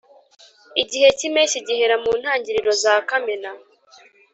Igihe k’Impeshyi gihera mu ntangiriro za Kamena